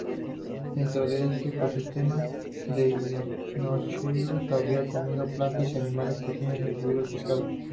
Dentro de este ecosistema, "Deinocheirus" habría comido plantas y animales pequeños, incluido el pescado.